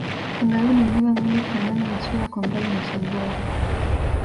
Kangaroo ni mnyama mwenye ufanano wa sura kwa mbali na sungura